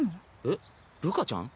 えっるかちゃん？